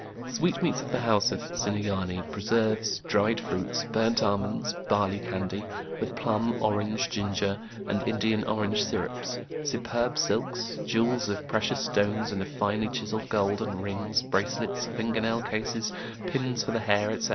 The sweetmeats of the house of Sinuyane, preserves, dried fruits, burnt almonds, barley candy ; with plum, orange, ginger, and In dian orange sirups ; superb silks ; jewels of pre cious stones and of finely chiselled gold ; and rings, bracelets, finger nail cases, pins for the hair, etc.